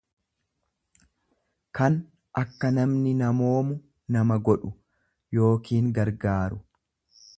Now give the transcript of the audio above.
kan akka namni namoomu nama godhu, yookiin gargaaru.